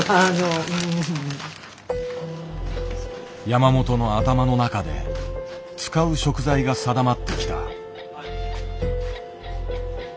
山本の頭の中で使う食材が定まってきた。